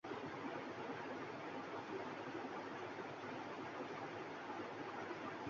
পুরুষরা কোনও মহিলাকে ঘিরে "প্রতিযোগিতামূলক গ্রুপ" এ জড়ো হন এবং তার সাথে সঙ্গমের অধিকারের জন্য লড়াই করেন।